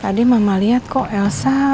tadi mama lihat kok elsa